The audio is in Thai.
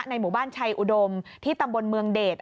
หมู่บ้านชัยอุดมที่ตำบลเมืองเดช